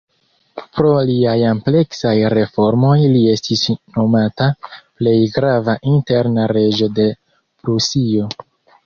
Pro liaj ampleksaj reformoj li estis nomata "plej grava interna reĝo de Prusio".